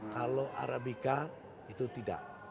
kalau arabica itu tidak